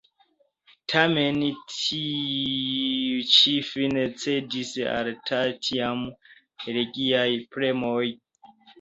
Tamen, tiu ĉi fine cedis al la tiamaj religiaj premoj.